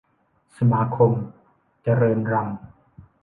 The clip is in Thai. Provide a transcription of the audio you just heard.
สมาคมเจริญรัมย์